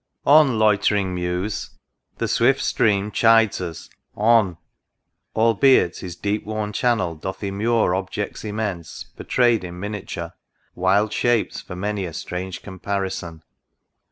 On, loitering Muse !— The swift Stream chides us — on Albeit his deep worn channel doth immure Objects immense, pourtray'd in miniature, Wild shapes for many a strange comparison